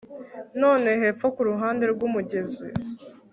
Noneho hepfo kuruhande rwumugezi